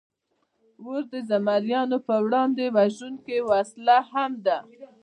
اور د زمریانو پر وړاندې وژونکې وسله هم ده.